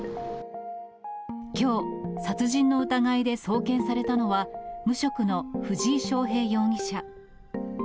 きょう、殺人の疑いで送検されたのは、無職の藤井翔平容疑者。